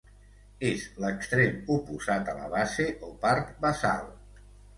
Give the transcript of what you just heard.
És l'extrem oposat a la base o part basal.